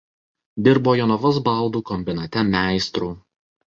Dirbo Jonavos baldų kombinate meistru.